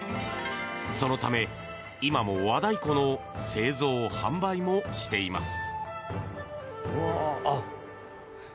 そのため今も、和太鼓の製造・販売もしています。